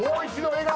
笑顔！